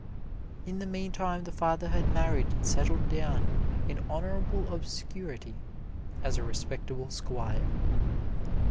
In the meantime the father had married and settled down in honorable obscurity as a respectable squire.